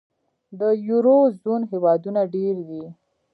د یورو زون هېوادونه ډېر دي.